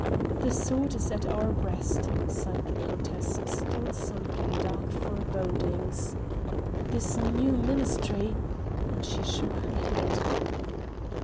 "The sword is at our breast!" sighed the countess still sunk in dark forebodings. "This new ministry!..." And she shook her head.